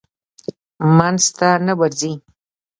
منځ ته نه ورځي.